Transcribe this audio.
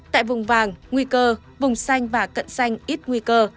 tại vùng vàng nguy cơ vùng xanh và cận xanh ít nguy cơ